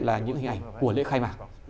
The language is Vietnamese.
là những hình ảnh của lễ khai mạc